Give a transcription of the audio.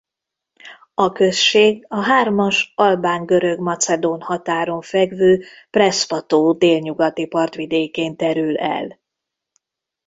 A község a hármas albán–görög–macedón határon fekvő Preszpa-tó délnyugati partvidékén terül el.